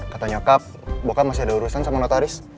kata nyokap bokap masih ada urusan sama notaris